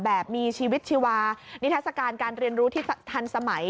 แบบมีชีวิตชีวานิทัศกาลการเรียนรู้ที่ทันสมัย